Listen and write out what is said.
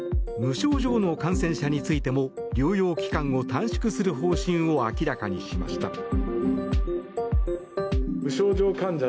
無症状の感染者についても療養期間を短縮する方針を明らかにしました。